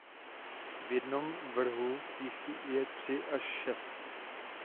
V jednom vrhu jich je tři až šest.